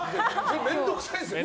面倒くさいですよね。